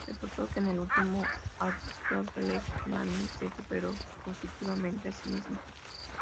Reportó que "...en el último acto Legnani se superó positivamente a sí misma.